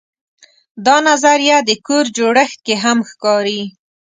دا نظریه د کور جوړښت کې هم ښکاري.